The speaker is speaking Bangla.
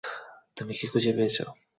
তুমি কি খুঁজে পেয়েছ?